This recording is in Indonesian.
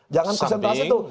jangan konsentrasi tuh